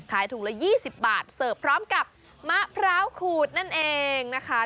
ขายถุงละ๒๐บาทเสิร์ฟพร้อมกับมะพร้าวขูดนั่นเองนะคะ